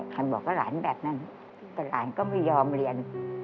ฉันบอกกับหลานแบบนั้นแต่หลานก็ไม่ยอมเรียน